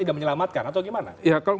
tidak menyelamatkan atau gimana ya kalau